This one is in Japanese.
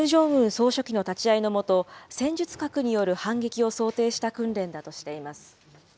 総書記の立ち会いの下、戦術核による反撃を想定した訓練だとしています。